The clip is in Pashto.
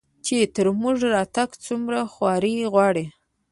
چې تر موږه راتګ څومره خواري غواړي